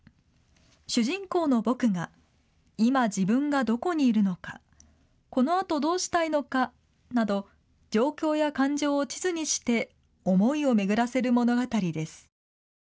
主人公の僕が今、自分がどこにいるのか、このあとどうしたいのかなど状況や感情を地図にして思いを巡らせる物語です。